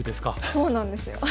そうなんですよ。